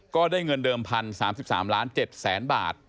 ก็ได้เงินเดิมทัน๓๓ล้าน๗๐๐๐๐๐บาท